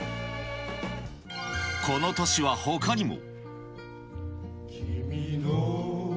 この年はほかにも。